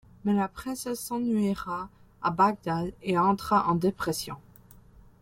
Mais la princesse s'ennuiera à Bagdad et entra en dépression.